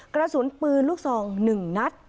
กระสุนปืนลูกทรองหนึ่งนัด